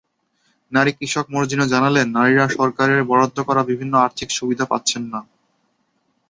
নারী কৃষক মর্জিনা জানালেন, নারীরা সরকারের বরাদ্দ করা বিভিন্ন আর্থিক সুবিধা পাচ্ছেন না।